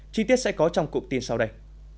chi tiết sẽ có trong cụm tin sau đây